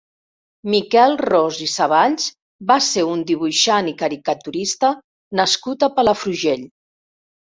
Miquel Ros i Saballs va ser un dibuixant i caricaturista nascut a Palafrugell.